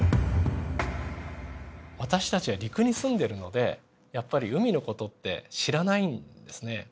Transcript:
私たちは陸に住んでるのでやっぱり海の事って知らないんですね。